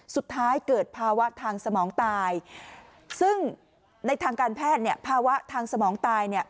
สุดท้ายเกิดภาวะทางสมองตายซึ่งในทางการแพทย์เนี่ยภาวะทางสมองตายเนี่ย